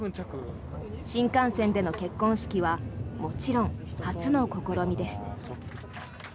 新幹線での結婚式はもちろん初の試みです。